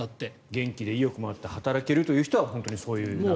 元気で意欲もあって働けるという人はそういう流れに。